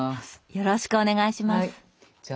よろしくお願いします。